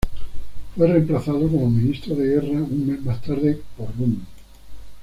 Fue remplazado como Ministro de Guerra un mes más tarde por Roon.